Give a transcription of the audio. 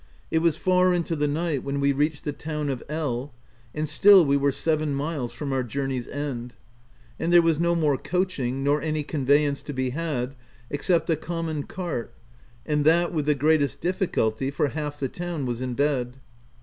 It was far into the night when we reached the town of L , and still we were seven miles from our journey's end ; and there was no more coaching — nor any conveyance to be had, ex cept a common cart — and that with the greatest difficulty, for half the town was in bed.